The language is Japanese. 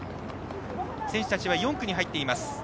選手たちは４区に入っています。